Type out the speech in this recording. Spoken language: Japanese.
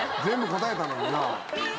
全部答えたのになぁ。